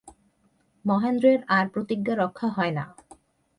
মহেন্দ্রের আর প্রতিজ্ঞা রক্ষা হয় না।